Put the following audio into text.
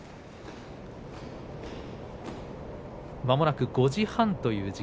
まもなく５時半。